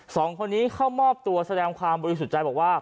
สองคนนี้เข้ามอบตัวแสดงความบริสุทธิ์ใจบอกว่า